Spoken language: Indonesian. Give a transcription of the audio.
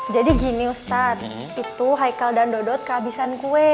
jadi gini ustadz itu haikal dan dodot kehabisan kue